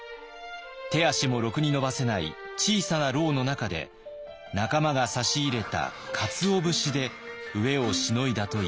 手足もろくに伸ばせない小さな牢の中で仲間が差し入れたかつお節で飢えをしのいだといいます。